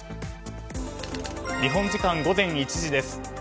日本時間午前１時です。